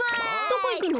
どこいくの？